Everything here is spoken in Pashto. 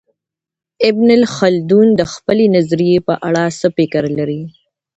ابن خلدون د خپلې نظریې په اړه څه فکر لري؟